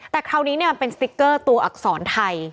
แต่คราวนี้มันเป็นสติ๊กเกอร์ตัวอักษรไทย